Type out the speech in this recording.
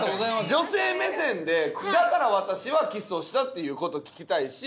女性目線でだから私はキスをしたっていう事を聞きたいし。